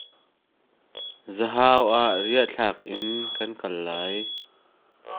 Zahau ah riahthlak in kan kal lai.